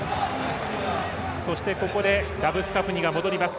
ここでラブスカフニが戻ります。